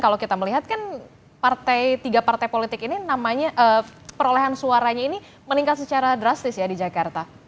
kalau kita melihat kan tiga partai politik ini namanya perolehan suaranya ini meningkat secara drastis ya di jakarta